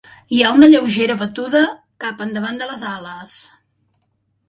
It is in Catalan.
Hi ha una lleugera batuda cap endavant de les ales.